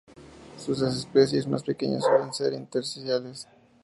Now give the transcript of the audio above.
Las especies más pequeñas suelen ser intersticiales.